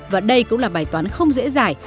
và đây cũng là bài toán không dễ dài